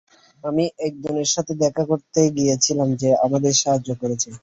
আমি একজনের সাথে দেখা করতে গিয়েছিলাম যে আমাদের সাহায্য করেছে!